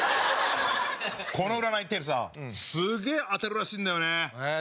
この占いテルさすげえ当たるらしいんだよねー。